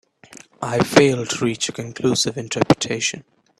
I failed to reach a conclusive interpretation.